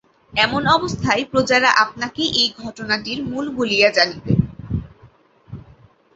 এমন অবস্থায় প্রজারা আপনাকেই এই ঘটনাটির মূল বলিয়া জানিবে।